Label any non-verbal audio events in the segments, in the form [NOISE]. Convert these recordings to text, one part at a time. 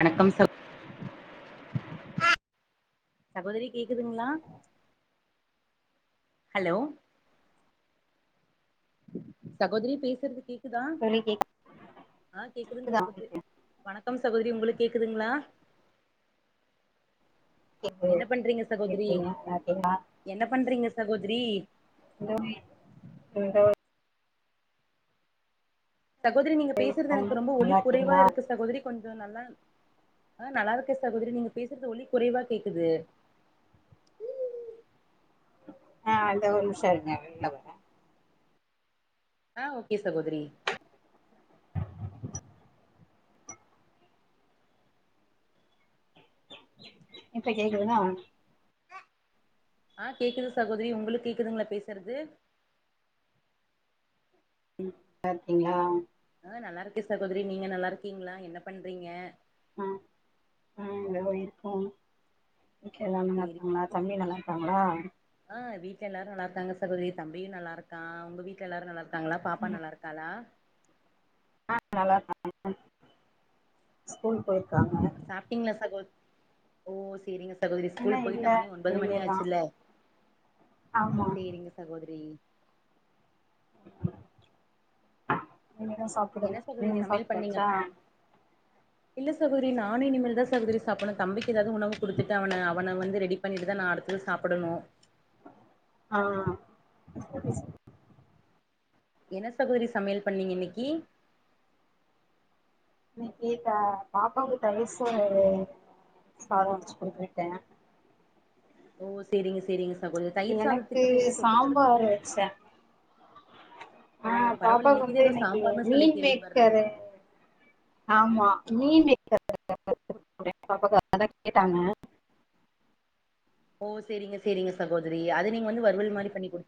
வணக்கம் ச சகோதரி கேக்குதுங்களா ஹலோ சகோதரி பேசுறது கேக்குதா தோழி ஆ கேக்குதுங் கேக்குதா சகோதரி உங்களுக்கு வணக்கம் சகோதரி உங்களுக் கேக்குதுங்களா கேக்குது என்ன பண்றீங்க சகோதரி எப்டி இருக்கீங்க நல்லா இருக்கீங்களா என்ன பண்றீங்க சகோதரி [UNINTELLIGIBLE] இந்தோ சகோதரி நீங்க பேசுறது இப்போ எனக்கு ரொம்ப ஒலி நல்லா குறைவா இருக்கீங்களா இருக்கு சகோதரி கொஞ்சொ நல்லா ஆ நல்லா இருக்கே சகோதரி நீங்க பேசுறது ஒலி குறைவா கேக்குது ஆ இந்த ஒரு நிமிஷோ இருங்க வெள்ல வரே ஆ ஓகே சகோதரி இப்ப கேக்குதுகா ஆ கேக்குது சகோதரி உங்களுக்கு கேக்குதுங்களா பேசுறது ம் சாப்ட்டீங்ளா ஆ நல்லா இருக்கே சகோதரி நீங்க நல்லா இருக்கீங்களா என்ன பண்றீங்க ஆ ம் எதோ இருக்கோ வீட்ல எல்லாருமே நல்லா சேரி இருக்காங்களா தம்பி நல்லா இருக்காங்களா ஆ வீட்டுல எல்லாரு நல்லா இருக்காங்க சகோதரி தம்பியு நல்லா இருக்கா உங்க வீ ட்ல எல்லாரு நல்லா இருக்காங்களா பாப்பா ம் நல்லா இருக்காளா ஆ நல்லா இருக்காங்க ஸ்கூல் போய் ம் சாப்ட்டீங்களா சகோ ஓ சேரிங்க சகோதரி இன்னு ஸ்கூல் இல்ல போயிட்டா மணி ஒன்பது மணி இனிமேதா ஆச்சுல்ல ஆமா சேரிங்க சகோதரி நீங்கதா என்ன சாப்பிடல சகோதரி நீங்க சமையல் பண்ணீங்க சாப்ட்டாச்சா இல்ல சகோதரி நானு இனிமேல்தா சகோதரி சாப்பனு தம்பிக்கு எதாவது உணவு குடுத்துட்டு அவன அவன வந்து ரெடி பண்ணிட்டு தா நா அடுத்தது சாப்பிடணு ஆ சரி ச என்ன சகோதரி சமையல் பண்ணீங்க இன்னிக்கு இன்னைக்கு பா பாப்பாவுக்கு தயிர் சோறு சாதோ வெச்சு குடுத்துவிட்டே ஓ சேரிங்க சேரிங்க சகோத எனக்கு சாம்பார் வெச்சே ஆ ஓ பரவால்ல பாப்பாக்கு இன்னைக்குதா வந்து ஏதோ இன்னைக்கு சாம்பார்னு சொல்லி மீல் கேள்விப்பட்றே மேக்கரு ஆமா மீல் மேக்கரு [INAUDIBLE] பாப்பாக்கு அதா கேட்டாங்க ஓ சேரிங்க சேரிங்க சகோதரி அது நீங்க வந்து வறுவல் மாரி பண்ணி குடுத்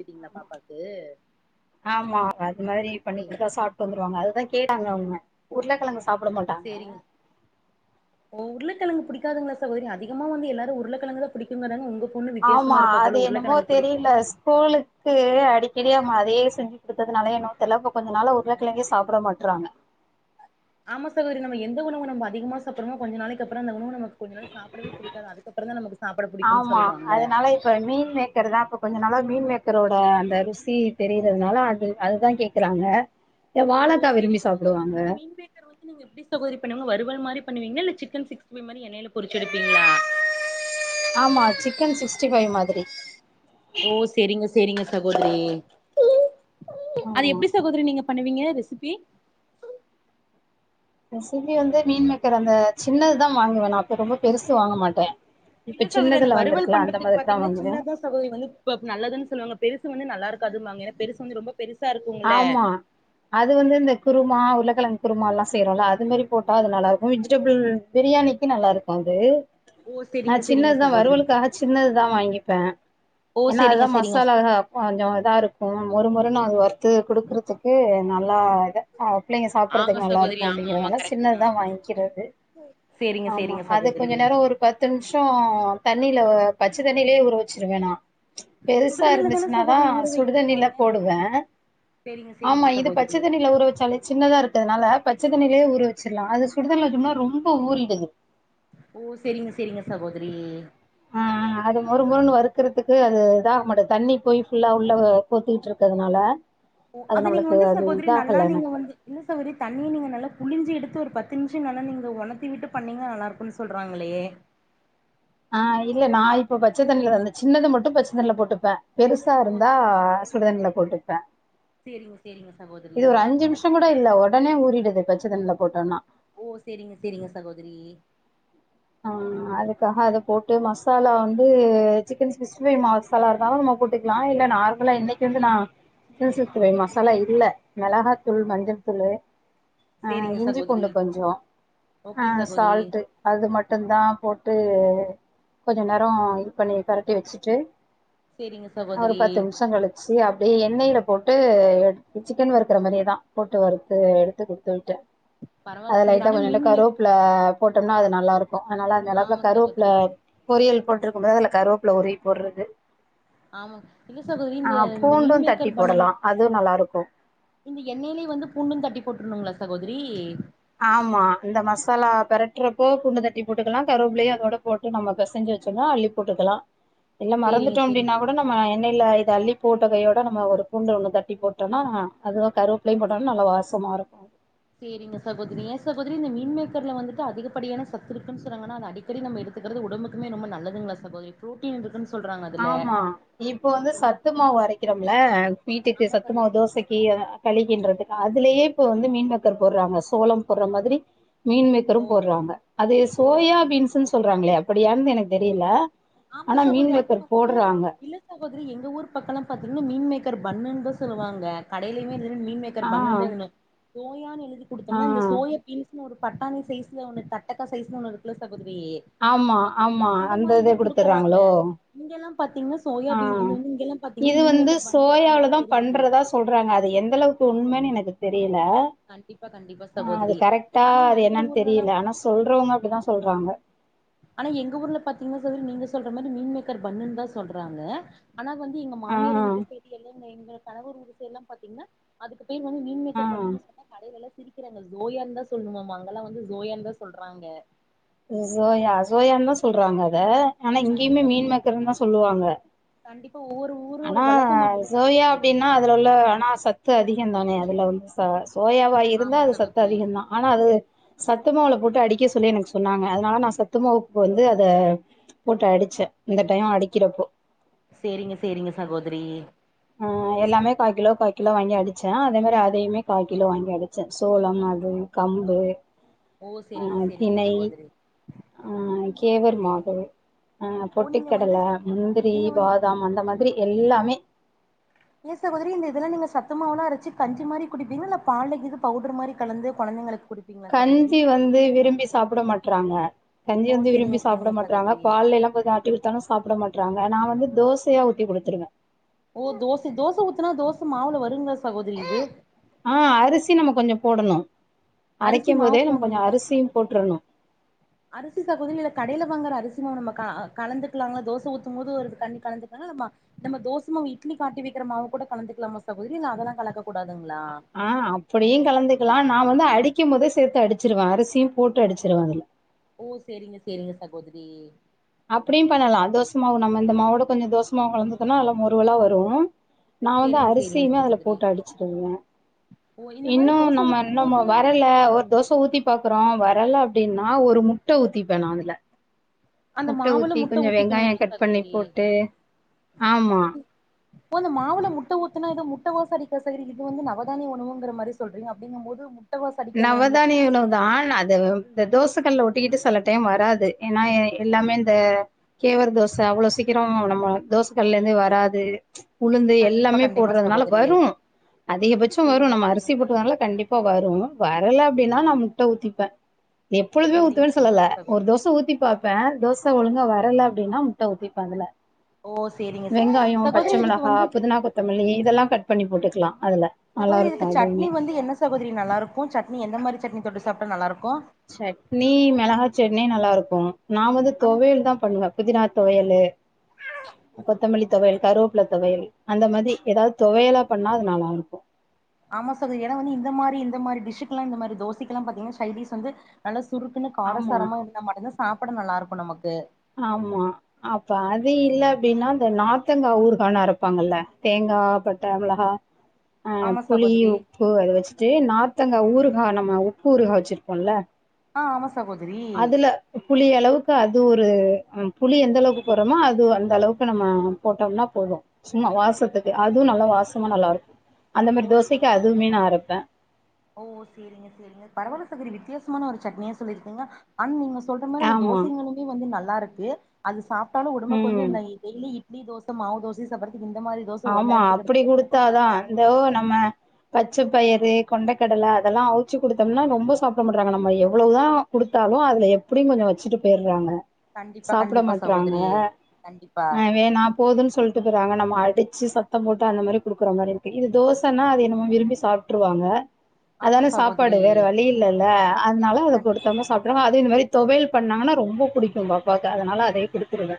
ஆமா அது மாரி சேரி பண்ணிக்குட்தா சாப் டு வந்துருவங்க அதுதா கேட்டாங்க அவங்க உருளக்கெழங்க சாப்ட மாட்டா டிங் ஓ உருளக்கெழங்கு புடிக்காதுங்களா சகோதரி அதிகமா வந்து எல்லாரு உருளக்கெழங்கு தா புடிக்கும்பாதாங்க உங்க பொண்ணு வித்தியசமா இருப்பா போல உருகெழங்கு புடிக்கா ஸ்கூளு க்கு அடிக்கடி அவங்க அதையே செஞ்சு கொடுத்ததுனால என்னவோ தெரில இப்ப கொஞ்ச நாளா உருளக்கெழங்கே சாப்டமாட்றாங்க ஆமா சகோதரி நம்ம எந்த உணவு நம்ப அதிகமா சாப்புரோமோ கொஞ்ச நாளைக்கு அப்றோ அந்த உணவு நம கொஞ்ச நாள் சாப்புடவே பிடிக்காது அதுக்குக்கப்பறோந்தா நமக்கு சாப்பாட புடிக்குன்னு ஆமா சொல்லுவாங்க அதனால இப்ப மீல் மேக்கர் தா இப்ப கொஞ்ச நாளா மீல் மேக்கரோட அந்த ருசி தெரிறதுனால அது அதுதா கே க்குறாங்க எஸவாழக்கா விரும்பி சாப்புடுவாங்க [UNINTELLIGIBLE] ஊத்தி நீங்க எப்டி சகோதரி பண்ணுவங்க வருவல் மாரி பண்ணுவீங்களா இல்ல சிக்கன் சிக்ஸ்டிஃபை மாரி எண்ணையில பொறிச்சு எடுப்பீங்களா ஆமா சிக்கன் சிக்ஸ்டி ஃபைவ் மாதிரி ஓ சேரிங்க சேரிங்க சகோதரி அது ஆமா எப்டி சகோதரி நீங்க பண்ணுவீங்க ரெசிபி ரெஸிபி வந்த மீல் மேக்கற் அந்த சின்னதுதா வாங்குவே நா அப்ப ரொம்ப பெருசு வாங்க மாட்டே இல்ல சகோதரி அந்த வறுவல் பண்றதுக்கு தான் பாத்தீங்கன்னா வாங்குவேன் சின்னதா சகோதரி வந்து இப்ப நல்லதுன்னு சொல்லாங்க பெருசு வந்து நல்லா இருக்காதுனும்பாங்க ஏன்னா பெருச வந்து ரொம்ப பெருசா இருக்கு ஆமா அது வந்து இந்த குருமா உருளக்கெழங்கு குருமா எல்லா செய்யறோல அது மாரி போட்டா அது நல்லா இருக்கு விஜிடபிள் பிரியாணி க்கு நல்லா இருக்கு அது ஓ நா செரிங்க செரிங்க சின்னதுதா சகோதரி வறுவல்க்காக சின்னதுதா வாங்கிப்பே ஓ ஏன்னா செரிங்க அதுதா செரிங்க மசாலா ஹ கொஞ்சோ இதா இருக்கு மொறு மொறுனு அது வறுத்து கொடுக்குறதுக்கு நல்லா இத ஆ பிள்ளைங்க ஆமா சாப்பறதுக்கு நல்லா சகோதரி இருக்கு ஆமா ஆமா அப்டிங்கிறதுனால கரெக்ட் தா சின்னதுதா வாங்கிக்கிறது செரிங்க ஆமா செரிங்க அது சகோதரி கொஞ்ச நேரோ ஒரு பத்து நிம்ஷோ தண்ணில பச்ச தண்ணியிலயே ஊற வெச்சிருவே நா ஓ பெருசா சுடுதண்ணில தான இருந்துச்சுனாதா சகோதரி ஊற சுடு தண்ணில வைக்கணும்பாங்க போடுவே செரிங்க செரிங்க ஆமா இது சகோதரி பச்ச தண்ணியில ஊற வச்சாலே சின்னதா இருக்கதுனால பச்ச தண்ணியிலேயே ஊற வச்சிருலா அது சுடுதண்ல வச்சோம்னா ரொம்ப ஊறிடுது ஓ சேரிங்க சேரிங்க சகோதரி ஆ அது மொறு மொறுன்னு வறுக்கறதுக்கு அது இதாக மாட்டுது தண்ணி போய் ஃபுல்லா உள்ள கோத்திட்டுருக்கதுனால அத நீங்க வந்து சகோதரி நல்லா நீங்க எனக்கு வந்து இல்ல சகோதரி தண்ணி நீங்க நல்லா புழிஞ்சு எடுத்து ஒரு பத்து நிமிஷோ நல்லா நீங்க ஒணத்தி விட்டு பண்ணிங்க நல்லாயிருக்குன்னு சொல்றாங்கிளே ஆ இல்ல நா இப்ப பச்சத்தண்ணில வந்த சின்னது மட்டும் பச்சத்தண்ணில போட்டுப்ப பெருசா ஓ இருந்தா சுடுதண்ணில போட்டுப்ப சேரிங்க சேரிங்க சகோதரி இது ஒரு அஞ்சு நிமிஷோ கூட இல்ல ஒடனே ஊறிடுது பச்ச தண்ல போட்டோனா ஓ சேரிங்க சேரிங்க சகோதரி ஆ அதுக்காக அத போட்டு மசாலா வந்து சிக்கன் சிக்ஸ்டி ஃபை மாவுஸ் நல்லா கலர் மாவு போட்டு நா இல்ல நார்மலா இன்னைக்கு வந்து நா சிக்கன் சிக்ஸ்டி ஃபை மசாலா இல்ல மெளகாத்தூள் மஞ்ச தூள்ளு ஆ சேரிங்க இஞ்சி சகோதரி பூண்டு கொஞ்சோ ஓகே அ சகோதரி சால்ட்டு அது ம ட்டுதா போட்டு கொஞ்ச நேரோ இது பண்ணி பெரட்டி வச்சுட்டு சேரிங்க ஒரு சகோதரி பத்து நிம்ஷங்களு சே அப்டே எண்ணெய்ல போட்டு சிக்கன் வறுக்கற மாரியே தா போட்டு வறுத்து எடுத்து குடுத்து விட்ட பரவால்ல அது சகோதரி லைட்டா ஆனா கொஞ்சோன்டு மீன் மேக் கரூப்புல போட்டோம்னா அது நல்லா இருக்கும் அதனால அந்த அளவுப்புல ஆமா கரோப்புல சகோதரி பொரியல் போட்டிருக்கும்போது அதுல கருவேப்புல உருவி போடுறது ஆமா இல்ல சகோதரி ஆ இந்த இந்த பூண்டும் தட்டி மீன்மேக்கர் போடலா பண்ணுல அதுவு நல்லாருக்கு இந்த எண்ணெயிலே வந்து பூண்டு தட்டி போட்ருனுங்களா சகோதரி ஆமா இந்த மசாலா பெரட்டுறப்போ பூண்டு தட்டி போட்டுக்கலா கருவேப்லையு அதோட போட் டு நம்ம பெசெஞ்சு வச்சோன்னா அள்ளி போட்டுக்கலா இல்ல சேரிங்க மறந்துட்டோ சேரி அப்டினா கூட நம்ம எண்ணையில இத அள்ளி போட்ட கையோட நம்ம ஒரு பூண்டு ஒன்ன தட்டி போட்டோனா அதுவு கருவேப்பிலையு போட்டோனா நல்ல வாசமா இருக்கு சேரிங்க சகோதரி ஏ சகோதரி இந்த மீன் மேக்கர்ல வந்துட்டு அதிகப்படியான சத்துருக்குன்னு சொறாங்கன்னா ஆனா அது அடிக் கடிநம்ம எடுக்கிறது உடம்புக்குமே ரொம்ப நல்லதுங்களா சகோதரி புரோட்டீன் இருக்குன்னு சொல்றாங்க அதுல ஆமா இப்போ வந்து ம் சத்து மாவு அரைக்கிறோம்ல வீட்டுக்கு ஆமா சத்து மாவு சகோதரி தோசைக் கி அ களிக்கின்றது அதுலயே இப்ப வந்து மீன் மேக்கர் போடுறாங்க சோளம் போடுற மாதிரி ஓ மீன்மேக்கரும் போடுறாங்க அது ஓ சோயா சேரிங்க பீன்ஸ்ன்னு சொல்றாங்களே அப்படியான்னு எனக்கு தெரியல ஆமா சகோதரி அந்த போடறாங்க இல்ல சகோதரி எங்க ஊர் பக்ககோலாம் பாத்தீங்கன்னா மீன் மேக்கர் பண்ணுன்தா சொல்லுவாங்க கடையுலுமே மீன் சேரி ஆ பண்ணுன் தா எலுத சோயான்னு எழுதி ஆ குடுத்தோம்ன இந்த சோய பீன்ஸ்னு ஒரு பட்டாணி சைஸ்ல ஒன்னு தட்டக்கா சைஸ்ல ஒன்னு இருக்குல்ல சகோதரி ஆமா மொ- ஆமா அந்த இத குடுத்தறாங்களோ இங்க எல்லாம் பாத்தீங்கன்னா சோயா பீன் இங்கல்லா பாத்தீங்கன்னா இது மீன் வந்து மேக்கர் பண்ணுன் சொன்னா சோயால தா தெரிய பண்றதா சொல்றாங்க அது எந்த அளவுக்கு உண்மன்னு எனக்கு தெரியல கண்டிப்பா கண்டிப்பா ஆ அது சகோதரி கரெக்ட்டா ஆனா அது எங்க என்னன்னு ஊர்லல்லா தெரியல ஆனா சொல்றவங்க அப்படிதா சொல்றாங்க ஆனா எங்க ஊர்ல பாத்தீங்கன்னா சகோதரி நீங்க சொல்ற மாரி மீன் மேக்கர் பண்ணுன் தா சொல்றாங்க ஆனா வந்து எங்க ஆ மாமியார் வீட்டு சைடுல எல்லா இங்க எங்க கணவர் ஊரு சைடுல்லாம் பாத்தீங்கன்னா அதுக்கு பேர் வந்து மீன் ஆ மேக்கர் பண்ணுன்னு சொன்னா கடைலல்லா சிரிக்கிறங்க சோயான் தா சொல்ணுமாம அங்களா வந்து சோயான் தா சொல்றாங்க சோயா சோயான் தா சொல்றாங்க அத ஆனா இங்கேயுமே கண்டிப்பா மீன் மேக்கர்ன்னு தா சொல்லுவாங்க கண்டிப்பா ஒவ்வொரு ஊரோட ஆனா வழக்கம் அப்டி சோயா சகோதரி அது அப்டின்னா அதுல உள்ள ஆனா சத்து அதிக தானே அதுல உள்ள ச சோயாவ இருந்தா ஆமா அது சத்து சகோதரி அதிக தா ஆனா அது சத்துமாவுல போட்டு அடிக்க சொல்லி எனக்கு சொ சொன்னாங்க அதனால நா சத்துமாவுக்கு வந்து அத போட்டு அடிச்சே இந்த டயோ அடிக்கிறப்போ சேரிங்க சேரிங்க சகோதரி ஆ எல்லாமே கா கிலோ கா கிலோ வாங்கி அடிச்சே அதே மாரி அதையுமே கா கிலோ வாங்கி அடிச்சே சோளம் அது கம்பு ஓ ஆ செரிங்க செரிங்க திணை சகோதரி ஆ சேரி கேவர் சேரி மாவு ஆ ஓ நீங்க பொட்டுகடல வந்து முந்திரி நீங்க வந்து பாதாம் அந்த மாதிரி எல்லாமே ஏ சகோதரி இந்த இதுல நீங்க சத்து மாவுலா அரச்சு கஞ்சி மாரி குடிப்பீங்களா இல்ல பால்ல கீது பவுடர் மாரி கலந்து கொழந்தைங்களுக்கு குடித் கஞ்சி வந்து விரும்பி சாப்ட்ட மாட்றாங்க கஞ்சி ஓ வந்து விரும்பி சேரிங்க சாப்ட்ட சேரிங்க மாட்றாங்க சகோதரி பால்ல எல்லா கொஞ் எப்டி கொடுத்தாலு சாப்ட்ட மாட்றாங்க நா வந்து தோசையா ஊத்தி குடுத்துருவே ஓ தோச தோச ஊத்துன தோச மாவுல வருங்களா சகோதரி இது ஆ அரிசி நம்ம கொஞ்சோ போடணு அரிசி அரைக்கும் மாவு போதே நம்ம கொஞ்சோ போடணுங்களா அரிசியு போட்றணு அரிசி சகோதரி இல்ல கடைல வாங்குற அரிசி மாவு நம்ம க கலந்துக்கலாங்ளா தோச ஊத்தும்போது ஒரு கரண்டி கலந்து நம்ம நம்ம தோசமாவு இட்லிக்கி ஆட்டி வெக்கிற மாவு கூட கலந்துக்கலாமா சகோதரி இல்ல அதெல்லா கலக்க கூடாதுங்ளா ஆ அப்டியு கலந்துக்லா நா வந்து அடிக்கும் போதே சேத்து அடிச்சிருவே அரிசியு போட்டு அடிச்சிருவே அதுல ஓ சேரிங்க சேரிங்க சகோதரி அப்டியு பண்ணலா தோசமாவு நம்ம இந்த மாவோட கொஞ்சோ தோசமாவு கலந்து ஊத்துனா நல்லா மொருவல்லா வரு நா வந்து சேரிங்க சேரிங்க அரிசியுமே அதுல சகோதரி போட்டு அடிச்சிருவே ஓ இந்த மாரி இன்னு தோசை நம்ம ஊத்தும் இன்னமு போது வரல ஒரு தோச ஊத்தி பாக்குறோ வரல அப்டின்னா ஒரு முட்ட ஊத்திப்ப நா அதுல அந்த மாவுல முட்ட வெங்காயோ ஊத்திக்கணுங்ளா கட் பண்ணி சகோதரி போட்டு ஆமா ஓ அந்த மாவுல முட்ட ஊத்துனா எதோ முட்ட வாச அடிக்கா சகோதரி இது வந்து நவதானிய உணவுங்குற மாரி சொல்றீங்க அப்டிங்கம் போது வாச அடிக்காதவங்களுக்கு நவதானிய உணவு தா அது இந்த தோசகள்ல ஒட்டிக்கிட்டு செல டைம் வராது ஏன்னா எல்லாமே இந்த கேவர் தோச அவ்ளோ சீக்கிரோ நம்ம தோசகள்லேருந்தே வராது உளுந்து கண்டிப்பா எல்லாமே கண்டிப்பா போட்றதுனால சகோதரி வரு அதிகபட்சோ வரு சேரிங்க நம்ம சேரிங்க அரிசி சகோதரி போட்டுருக்கனால கண்டிப்பா வரு வரல அப்டின்னா சேரி நா முட்ட ஊத்திப்ப எப்பொழுதுமே சேரிங்க ஊத்துவனு சொல்லல சேரிங்க ஒரு சகோதரி தோச ஊத்தி பாப் ப்ப தோச ஒழுங்கா வரல அப்டின்னா முட்ட ஊத்திப்ப அதுல ஓ சேரிங்க சே வெங்காயோ பச்ச சகோதரி இதுக்கு மிளகா வந்து புதினா கொத்தமல்லி இதல்லா கட் பண்ணி போட்டுக்கலா அதுல நல்லா சகோதரி இருக்கு இதுக்கு அதுவுமே சட்னி வந்து என்ன சகோதரி நல்லாருக்கு சட்னி எந்த மாரி சட்னி தொட்டு சாப்ட்டா நல்லாருக்கு சட்னி மெளகா சட்னி நல்லாருக்கு நா வந்து ஆனா தொவையல் தா பண்ணுவ புதினா தொவையலு கொத்தமல்லி தொலையல் கருவேப் பில தொவையல் அந்த மாரி எதாது தொவையல்லா பண்ணா அது நல்லா இருக்கு ஆமா சகோதரி ஏனா வந்து இந்த மாரி இந்த மாரி டிஷ்க்குலா இந்த மாரி தோசைக்கெலா பாத்தீங்கன்னா சைடிஷ் வந்து நல்ல சுருக்குன்னு ஆமா காரசாரமா இருந்தா மட்டுந்தா சாப்புட நல்லா இருக்கு நமக்கு ஆமா அப்ப அது இல்ல அப்டின்னா இந்த நாத்தங்காய் ஊர்கானு அரப்பாங்கல்ல தேங்கா பட்ட மிளகா ஆ ஆமா புளி சகோதரி உப்பு அத வச்சுட்டு நார்தங்கா ஊறுகா நம்ம உப்பு ஊருகா வச்சிருப்போல்ல ஆ ஆமா ஸ் சகோதரி அதுல புளி அளவுக்கு அது ஒரு புளி எந்தளவுக்கு போட்றோமோ அது அந்தளவுக்கு நம்ம போட்டோம்னா போது சும்மா வாசத்துக்கு அது நல்லா வாசமா நல்லாருக்கு அந்த ஓ மாரி தோசைக்கு சேரி அதுமே நா அறைப்ப ஓ சேரிங்க சேரிங்க பரவால சகோரி வித்தியாசமான ஒரு சட்னிய சொல்லிருக்கீங்க அன் நீங்க சொல்ற மாரி அந்த ஆமாம் தோசைகளுமே வந்து நல்லாருக்கு அது சாப்ட்டாலு ஒடம்புக்கு வந்து ம் இந்த டெய்லி இட்லி தோச மாவு தோசையே சாப்புறதுக்கு இந்த மாரி தோச ஒரு ஆமா நேரத்துக்கு அப்டி எடுத்துக்கிறது ரொம்ப குடுத்தாதா போதுமானதுன்னு இந்தோ நெனைக்கிறே நம்ம பச்சப்பயறு கொண்டக்கடல அதல்லா அவுச்சு குடுத்தம்னா ரொம்ப சாப்ட மாட்றாங்க நம்ம எவ்ளோதா குடுத்தாலு அதுல எப்டியு கொஞ்சோ வச்சுட்டு போயிறாங்க கண்டிப்பா சாப்ட கண்டிப்பா மாட்றாங்க சகோதரி கண்டிப்பா அ வேனா போதுன் சொல்ட்டு போய்றாங்க நம்ம அடு ச்சு சத்தம் போட்டு அந்த மாரி குடுக்குற மாரி இருக்கு இது தோசன்னா அது என்னமோ விரும்பி சாப்ட்ருவாங்க ஆமா அதான சாப்பாடு சகோதரி வேற வழி இல்லல்ல அதுனால அத கண்டிப்பா குடுத்தம்னா கண்டிப்பா சாப்ட்டுருவா அது இந்த மாரி தொவையல் பண்ணாங்கன்னா ரொம்ப புடிக்கு பாப்பாக்கு அதனால அதையே குடுத்துருவே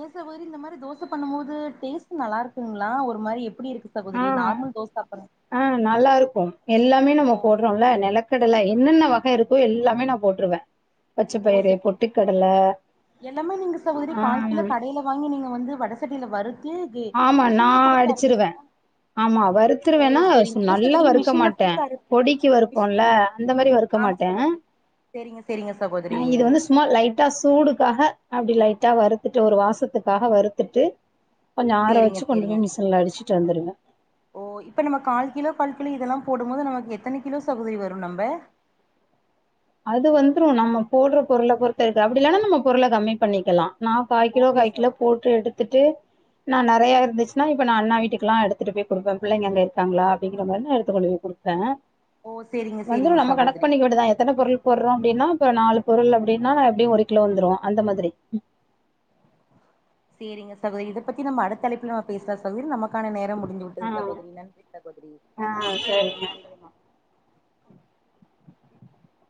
ஏ சகோதரி இந்த மாரி தோச பண்ணும்போது டேஸ்ட்டு நல்லா இருக்குங்ளா ஒரு மாரி எப்டி இருக் ஆ ஆ நல்லாருக்கு எல்லாமே நம்ம போட்றோ ல நெலக்கடல என்னென்ன வக இருக்கோ எல்லாமே நா போட்ருவ ஓ சே எல்லாமே நீங்க சகோதரி ஆ கால் கிலோ கடைல வாங்கி நீங்க வந்து வட சட்டில வறுத்து கே ஆமா மிஷின் ல நான் குடுத்து அறை அடிச்சிருவேன். ஆமா வருத்துருவேனா ஸ் நல்லா வருறுக்க மிஷின்ல மாட்டே குடுத்து அறு பொடிக்கு மிஷ் வருப்போம்ல அந்த மாதிரி வரு க்க மாட்டே சேரிங்க சேரிங்க சகோதரி சும்மா லைட்டா சூடுக்காக அப்டி லைட்டா வறுத்துட்டு ஒரு வாசத்துக்காக வறுத்துட்டு கொஞ்சோ ஆர செரிங்க வச்சுடகொண்டு செரிங்க போய் மிஷின் ல அடிச்சிட்டு வந்துருவே ஓ இப்ப நமம் கால் கிலோ பல்ப்ல இதெல்லா போடம் போது நமக்கு எத்தன கிலோ சஹோதரி வரும் நம்ப அது வந்துரு நம்ம போடுற பொருள பொறுத்த இருக்கு அப்டி இல்லனா நம்ம பொருள கம்மி பண்ணிக்கலா நா காய் கிலோ ஓகே காய் கிலோ கைக்குல சகோ போட்டு எடுத்துட்டு நா நெறயா இருந்துச்சுன்னா இப்ப நா அண்ணா வீட்டுக்கு லா எடுத்துட்டு போய் குடுப்பே பிள்ளைங்க அங்க இருக்காங்களா அப்டிங்க மாரி நா எடுத்து கொண்டு போய் குடுப் பே ஓ செரிங்க வந்துரு செரிங்க நம்ம கணக்கு சகோதரி பண்ணிக்க வேண்டிதா எத் எத்தன பொருள் போடுறோ அப்டினா இப்ப நாலு பொருள் அப்டினா எப்டியு ஒரு கிலோ வந்துரு அந்த மாதிரி சேரிங்க சகோதரி இத பத்தி நம்ம அடுத்த அழைப்புல நம் பேஸ்லா சகோதரி நம்ம க்கான நேரம் முடிந்து விட்டது ஆ. சகோதரி நன்றி சகோதரி ஆ சேரிங்க [INAUDIBLE]